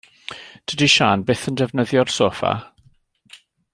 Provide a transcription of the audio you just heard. Dydi Siân byth yn defnyddio'r soffa.